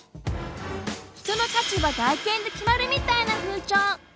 人の価値は外見で決まるみたいな風潮。